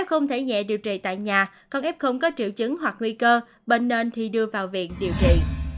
f thể nhẹ điều trị tại nhà còn f có triệu chứng hoặc nguy cơ bệnh nên thì đưa vào viện điều trị